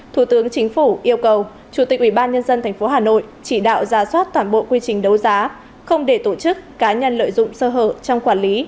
thủ tướng chính phủ yêu cầu chủ tịch ubnd tp hà nội chỉ đạo ra soát toàn bộ quy trình đấu giá không để tổ chức cá nhân lợi dụng sơ hở trong quản lý